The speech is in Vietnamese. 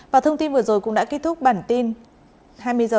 và thông tin vừa rồi cũng đã kết thúc bản tin hai mươi h